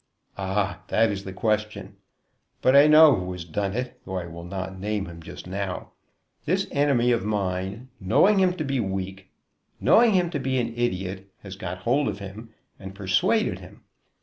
"Ah, that is the question. But I know who has done it, though I will not name him just now. This enemy of mine, knowing him to be weak, knowing him to be an idiot, has got hold of him and persuaded him.